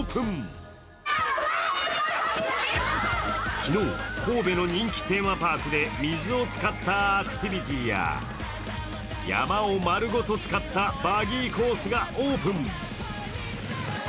昨日、神戸の人気テーマパークで、水を使ったアクティビティーや山を丸ごと使ったバギーコースがオープン。